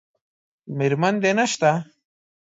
میرمن دې نشته؟